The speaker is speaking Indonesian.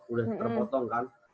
udah terpotong kan